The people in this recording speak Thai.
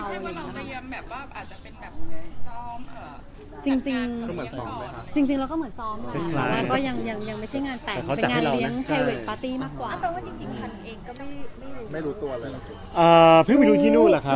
ไม่ใช่ว่าเราพยายามอาจจะเป็นแบบ